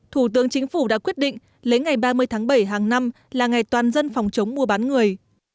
thủ tướng chính phủ đã quyết định lấy ngày ba mươi tháng bảy hàng năm là ngày toàn dân phòng chống mua bán người